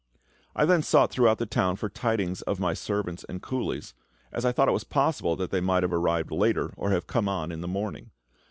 I then sought throughout the town for tidings of my servant and coolies, as I thought it possible that they might have arrived later, or have come on in the morning.